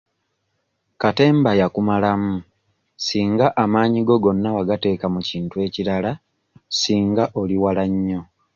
Katemba yakumalamu singa amaanyi go gonna wagateeka mu kintu ekirala singa oli wala nnyo.